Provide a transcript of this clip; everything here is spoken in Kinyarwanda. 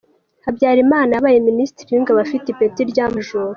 Habyarimana yabaye Minisitiri w’ingabo afite ipeti rya Major.